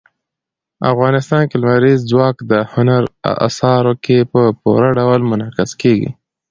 افغانستان کې لمریز ځواک د هنر په اثارو کې په پوره ډول منعکس کېږي.